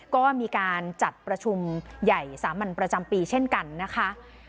ก็มีการจัดประชุมใหญ่สามัญประจำปีเช่นกันนะคะ